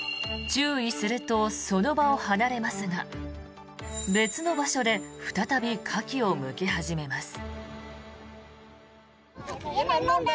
注意するとその場を離れますが別の場所で再びカキをむき始めます。